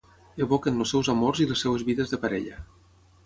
Evoquen els seus amors i les seves vides de parella.